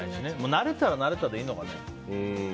慣れたら慣れたでいいのかね。